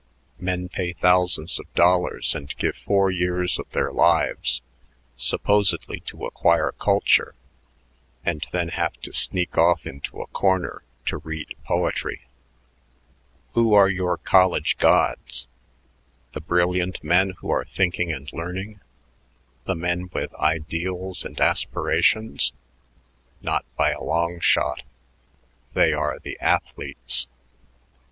Men pay thousands of dollars and give four years of their lives supposedly to acquire culture and then have to sneak off into a corner to read poetry. "Who are your college gods? The brilliant men who are thinking and learning, the men with ideals and aspirations? Not by a long shot. They are the athletes.